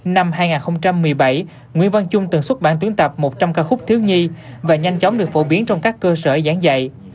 năm hai nghìn một mươi bảy nguyễn văn trung từng xuất bản tuyến tập một trăm linh ca khúc thiếu nhi và nhanh chóng được phổ biến trong các cơ sở giảng dạy